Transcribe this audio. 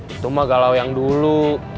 itu mah kalau yang dulu